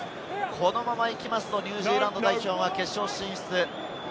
このままいくとニュージーランド代表が決勝進出。